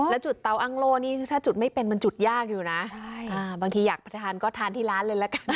แล้วจุดเตาอังโล่นี่ถ้าจุดไม่เป็นมันจุดยากอยู่นะบางทีอยากไปทานก็ทานที่ร้านเลยละกัน